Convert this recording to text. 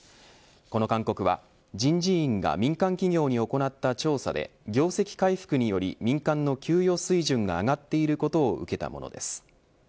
この勧告は、人事院が民間企業に行った調査で業績回復により民間の給与水準が上がっていることを受けたものです。